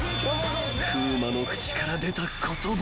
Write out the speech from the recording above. ［風磨の口から出た言葉は］